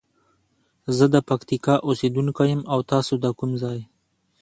زه د پکتیکا اوسیدونکی یم او تاسو د کوم ځاي؟